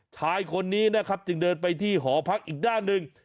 ชายคนนี้นะครับจึงเดินไปที่หอพักอีกด้านหนึ่ง